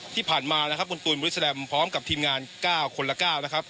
ที่ผ่านมานะครับคุณตูนบริสแลมพร้อมกับทีมงาน๙คนละ๙นะครับ